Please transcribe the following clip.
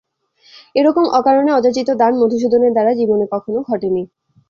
এরকম অকারণে অযাচিত দান মধুসূদনের দ্বারা জীবনে কখনো ঘটে নি।